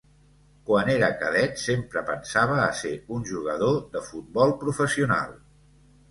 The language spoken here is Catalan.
Quan era cadet sempre pensava a ser un jugador de futbol professional.